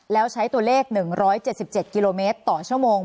แล้วใช้ตัวเลข๑๗๗กิโลเมตรต่อชั่วโมง